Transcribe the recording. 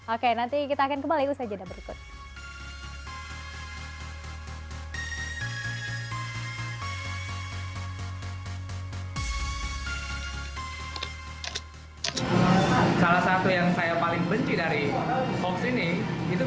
oke nanti kita akan kembali usai jeda berikut